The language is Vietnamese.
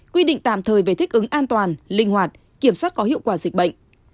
quy định tạm thời về thích ứng an toàn linh hoạt kiểm soát có hiệu quả dịch bệnh